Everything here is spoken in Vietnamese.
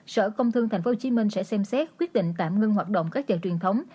sở công thương thành phố hồ chí minh sẽ xem xét quyết định tạm ngưng hoạt động các chợ truyền thống